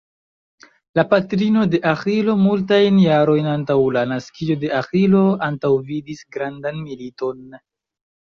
La patrino de Aĥilo multajn jarojn antaŭ la naskiĝo de Aĥilo antaŭvidis grandan militon.